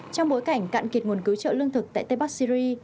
trong bối cảnh cạn kiệt nguồn cứu trợ lương thực tại tây bắc syri